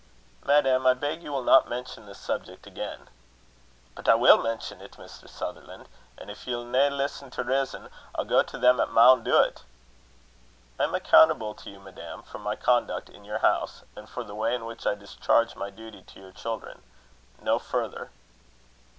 "Madam, I beg you will not mention this subject again." "But I will mention 't, Mr. Sutherlan'; an' if ye'll no listen to rizzon, I'll go to them 'at maun do't." "I am accountable to you, madam, for my conduct in your house, and for the way in which I discharge my duty to your children no further."